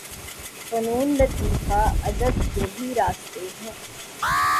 فنون لطیفہ، ادب یہی راستے ہیں۔